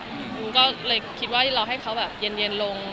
หนูก็เลยคิดว่าเราให้เขาแบบเย็นลง